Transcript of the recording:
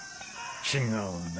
違うな。